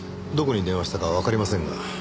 どこに電話したかはわかりませんが。